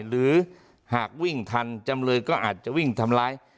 หรือหากวิ่งทันจำเลยก็อาจจะวิ่งทำร้าย